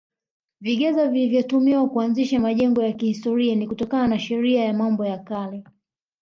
Vigezo vilivyotumiwa kuainisha majengo ya kihistoria ni kutokana na Sheria ya Mambo ya kale